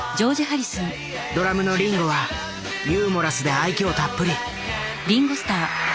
ドラムのリンゴはユーモラスで愛嬌たっぷり。